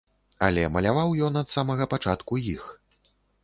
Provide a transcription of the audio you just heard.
Але маляваў ён ад самага пачатку іх.